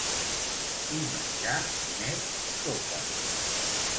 I menjar més sopes.